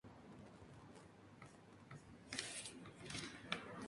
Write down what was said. Luego se introduce un cartucho de fogueo especial en la recámara del fusil.